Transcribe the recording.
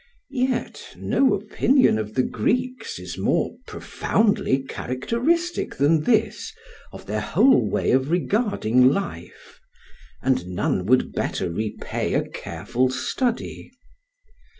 Yet no opinion of the Greeks is more profoundly characteristic than this of their whole way of regarding life, and none would better repay a careful study.